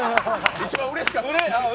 一番うれしかったやつ。